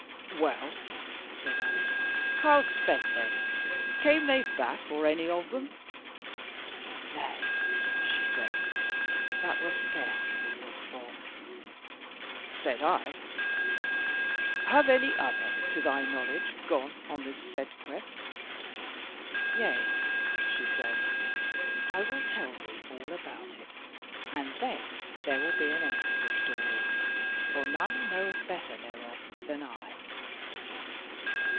"'Well,' said I; 'how sped they? Came they back, or any of them?' 'Nay,' she said, 'that were scarce to be looked for.' Said I: 'Have any other to thy knowledge gone on this said quest?' "'Yea,' she said, 'I will tell thee all about it, and then there will be an end of the story, for none knoweth better thereof than I.